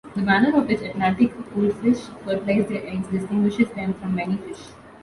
The manner of which Atlantic wolffish fertilize their eggs distinguishes them from many fish.